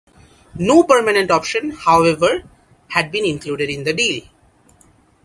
No permanent option, however, had been included in the deal.